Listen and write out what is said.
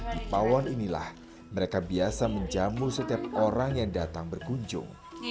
di pawon inilah mereka biasa menjamu setiap orang yang datang berkunjung